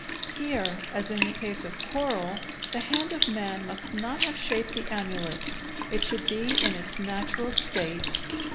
Here, as in the case of coral, the hand of man must not have shaped the amulet; it should be in its natural state.